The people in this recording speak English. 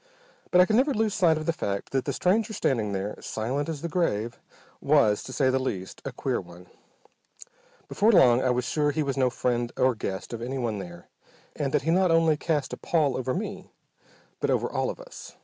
But I could never lose sight of the fact that the stranger standing there, silent as the grave, was, to say the least, a queer one. Before long I was sure he was no friend or guest of anyone there, and that he not only cast a pall over me but over all of us.